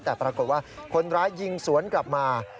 แต่ปรากฏว่าคนร้ายยิงสวนกลับมา